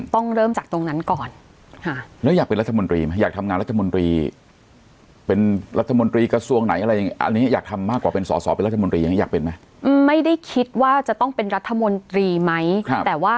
ต้องเริ่มจากตรงนั้นก่อนค่ะ